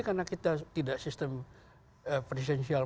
karena kita tidak sistem presidenial